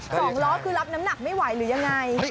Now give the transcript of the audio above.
สองล้อคือรับน้ำหนักไม่ไหวหรือยังไง